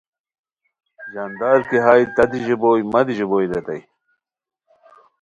ژاندار کی ہائے تہ دی ژیبوئے مہ دی ژیبوئے ریتائے